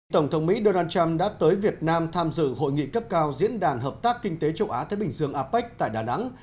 tổng thống mỹ donald trump đã tới việt nam tham dự hội nghị cấp cao diễn đàn hợp tác kinh tế châu á thái bình dương apec tại đà nẵng